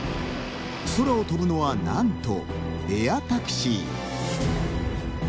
空を飛ぶのはなんとエアタクシー。